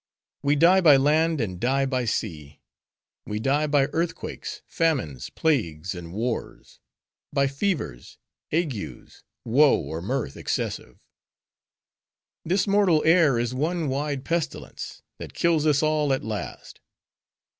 We die by land, and die by sea; we die by earthquakes, famines, plagues, and wars; by fevers, agues; woe, or mirth excessive. This mortal air is one wide pestilence, that kills us all at last.